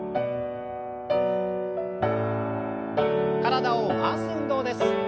体を回す運動です。